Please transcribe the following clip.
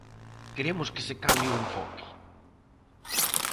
Queremos que se cambie o enfoque.